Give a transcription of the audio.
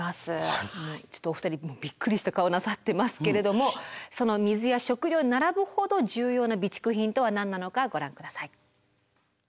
ちょっとお二人びっくりした顔なさってますけれどもその水や食料に並ぶほど重要な備蓄品とは何なのかご覧下さい。